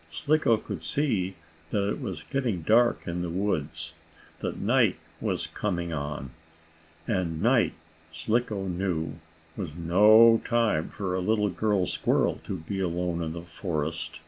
Slicko could see that it was getting dark in the woods; that night was coming on. And night, Slicko knew, was no time for a little girl squirrel to be alone in the forest.